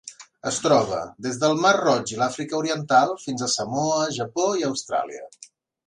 Es troba des del Mar Roig i l'Àfrica Oriental fins a Samoa, Japó i Austràlia.